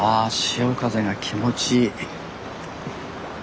潮風が気持ちいい。